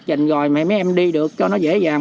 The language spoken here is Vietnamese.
trình rồi mà mấy em đi được cho nó dễ dàng